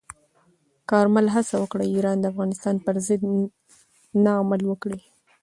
کارمل هڅه وکړه، ایران د افغانستان پر ضد نه عمل وکړي.